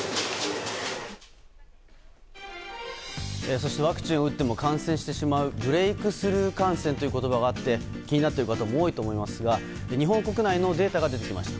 そしてワクチンを打っても感染してしまうブレークスルー感染ということがあって気になっている方も多いと思いますが日本国内のデータが出てきました。